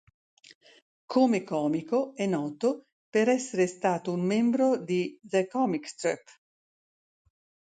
Come comico è noto per essere stato un membro di "The Comic Streep".